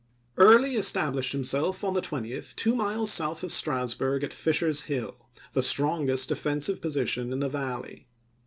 1864. Early established himself on the 20th two miles south of Strasburg at Fisher's Hill, the strongest defensive position in the Valley.